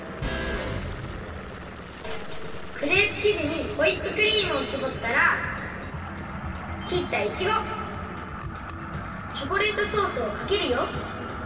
クレープきじにホイップクリームをしぼったらきったいちごチョコレートソースをかけるよ。